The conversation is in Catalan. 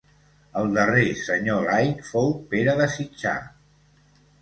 El darrer senyor laic fou Pere de Sitjar.